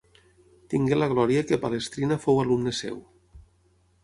Tingué la glòria que Palestrina fou alumne seu.